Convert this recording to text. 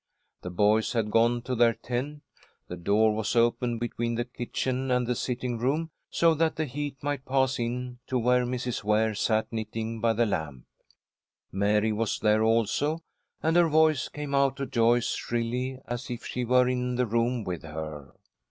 The boys had gone to their tent. The door was open between the kitchen and the sitting room so that the heat might pass in to where Mrs. Ware sat knitting by the lamp. Mary was there also, and her voice came out to Joyce shrilly, as if she were in the room with her.